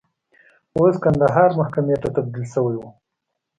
اوس کندهار محکمې ته تبدیل شوی و.